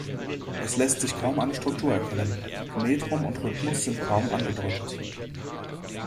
Es lässt sich kaum eine Struktur erkennen: Metrum und Rhythmus sind kaum angedeutet.